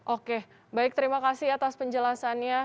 oke baik terima kasih atas penjelasannya